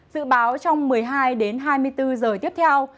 dự báo trong một mươi hai đến hai mươi bốn giờ tiếp theo